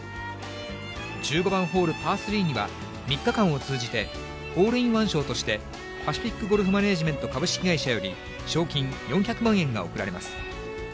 １５番ホール、パー３には３日間を通じて、ホールインワン賞として、パシフィックゴルフマネージメント株式会社より、賞金４００万円が贈られます。